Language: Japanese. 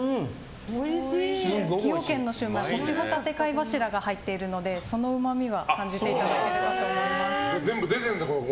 崎陽軒のシウマイは干しボタテ貝柱が入ってるのでそのうまみが感じていただけると思います。